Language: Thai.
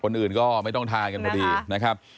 อื่นก็ไม่ต้องทานกันพอดีนะครับ